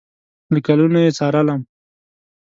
له کلونو یې څارلم